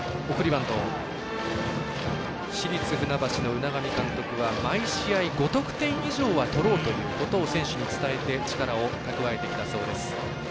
市立船橋の海上監督は毎試合、５得点以上は取ろうということを選手に伝えて力を蓄えてきたそうです。